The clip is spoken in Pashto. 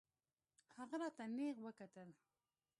هغه راته نېغ وکتل.